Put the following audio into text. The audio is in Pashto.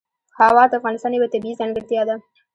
هوا د افغانستان یوه طبیعي ځانګړتیا ده.